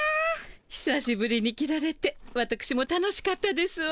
ひさしぶりに着られてわたくしも楽しかったですわ。